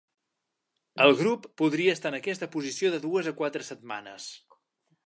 El grup podria estar en aquesta posició de dues a quatre setmanes.